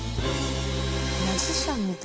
マジシャンみたい。